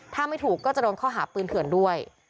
ถ้าไม่ถูกก็จะโดนข้อหาปืนเถื่อนด้วย